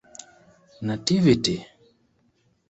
Nativity!